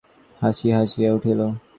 গোকুলের বউ আবার কৌতুকের হাসি হাসিয়া উঠিল।